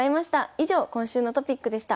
以上今週のトピックでした。